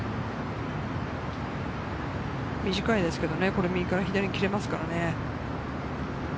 短いですけどね、右から左に切れますからね。